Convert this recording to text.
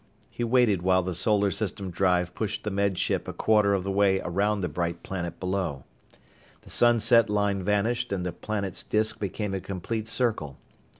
He waited while the solar system drive pushed the Med Ship a quarter of the way around the bright planet below. The sunset line vanished and the planet's disk became a complete circle.